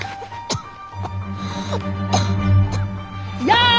やあ！